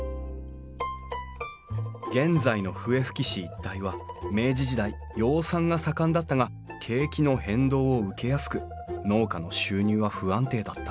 現在の笛吹市一帯は明治時代養蚕が盛んだったが景気の変動を受けやすく農家の収入は不安定だった。